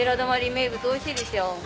名物おいしいでしょう。